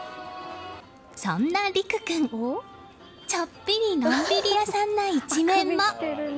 そんな睦空君、ちょっぴりのんびり屋さんな一面も。